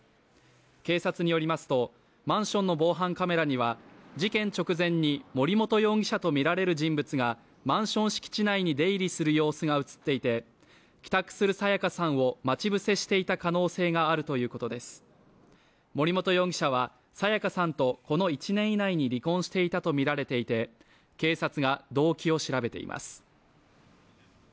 警察によりますとマンションの防犯カメラには、事件直前に森本容疑者とみられる人物がマンション敷地内に出入りする様子が映っていて帰宅する彩加さんを待ち伏せしていた可能性があるということです森本容疑者は彩加さんとこの１年以内に離婚していたとみられていて警察が動機を調べています。